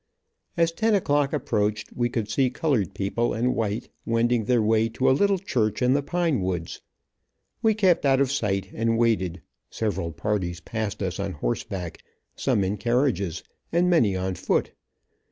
As ten o clock approached we could see colored people and white, wending their way to a little church in the pine woods. We kept out of sight, and waited, several parties passed us on horseback, some in carriages, and many on foot.